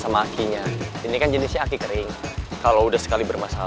mas ini ada sedikit buat mas